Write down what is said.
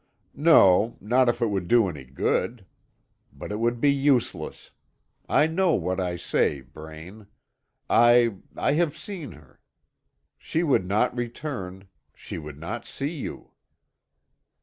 "No not if it would do any good. But it would be useless. I know what I say, Braine. I I have seen her. She would not return she would not see you."